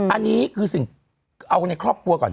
อันนี้คือสิ่งเอากันในครอบครัวก่อน